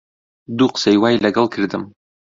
دوو قسەی وای لەگەڵ کردم